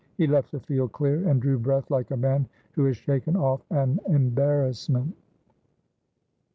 He left the field clear, and drew breath like a man who has shaken off an embarrassment.